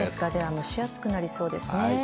蒸し暑くなりそうですね。